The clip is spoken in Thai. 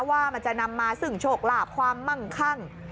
ว่ามันจะนำมาซึ่งโชคลาภความมั่งคั่ง